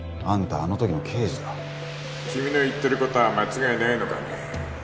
あのときの刑事だ君の言ってることは間違いないのかね